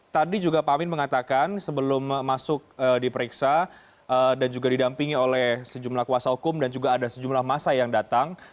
tadi juga pak amin mengatakan sebelum masuk diperiksa dan juga didampingi oleh sejumlah kuasa hukum dan juga ada sejumlah masa yang datang